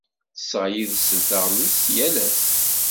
Ttesseɣ yid-sen taɣlust yal ass.